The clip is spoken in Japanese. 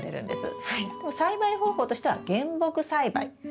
栽培方法としては原木栽培。